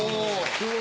・すごい。